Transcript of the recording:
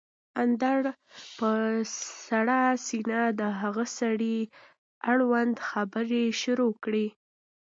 اندړ په سړه سينه د هغه سړي اړوند خبرې شروع کړې